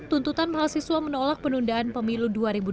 tuntutan mahasiswa menolak penundaan pemilu dua ribu dua puluh